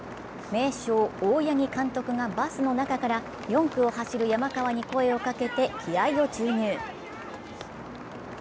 名将・大八木監督がバスの中から４区を走る山川に声をかけて気合いを注入。